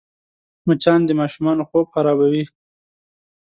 مچان د ماشومانو خوب خرابوي